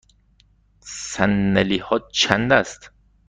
صندلی ها چند است؟